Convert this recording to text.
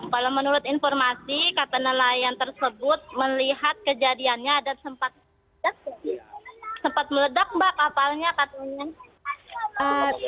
kalau menurut informasi kata nelayan tersebut melihat kejadiannya dan sempat meledak mbak kapalnya katanya